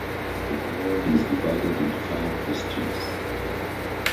The ward is divided into five districts.